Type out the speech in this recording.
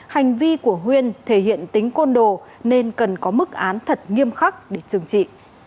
hành vi của huyên thể hiện tính côn đồ nên cần có mức án thật nghiêm khắc để trừng trị